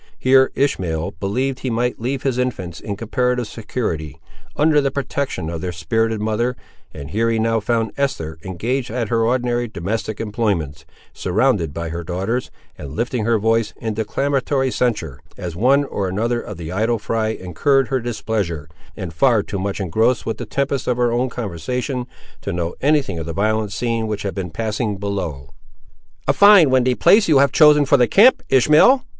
Here Ishmael believed he might leave his infants in comparative security, under the protection of their spirited mother, and here he now found Esther engaged at her ordinary domestic employments, surrounded by her daughters, and lifting her voice, in declamatory censure, as one or another of the idle fry incurred her displeasure, and far too much engrossed with the tempest of her own conversation to know any thing of the violent scene which had been passing below. "A fine windy place you have chosen for the camp, Ishmael!"